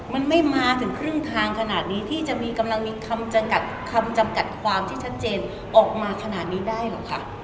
มันไม่มาถึงครึ่งทางขนาดนี้ที่จะมีกำลังมีคำจำกัดคำจำกัดความที่ชัดเจนออกมาขนาดนี้ได้เหรอคะ